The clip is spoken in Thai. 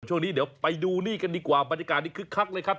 ช่วงนี้เดี๋ยวไปดูนี่กันดีกว่าบรรยากาศนี้คึกคักเลยครับ